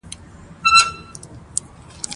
زابل کې هوا مخ پر سړيدو ده.